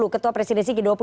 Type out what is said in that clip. ketua presidensi g dua puluh